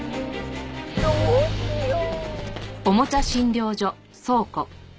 どうしよう！」